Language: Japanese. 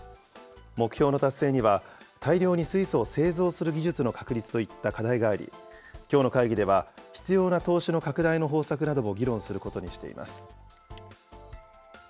目標の達成には、大量に水素を製造する技術の確立といった課題があり、きょうの会議では、必要な投資の拡大の方策なども議論することにしています。